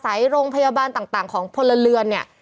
โรงพยาบาลต่างของพลเรือนเนี่ย